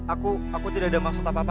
aku aku tidak ada maksud apa apa